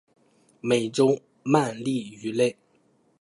美洲鳗鲡鱼类。